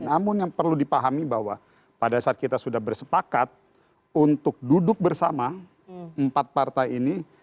namun yang perlu dipahami bahwa pada saat kita sudah bersepakat untuk duduk bersama empat partai ini